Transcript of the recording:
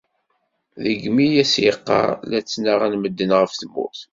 Degmi i as-yeqqar: " La ttnaɣen medden γef tmurt.